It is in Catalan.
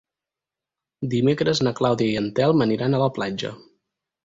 Dimecres na Clàudia i en Telm aniran a la platja.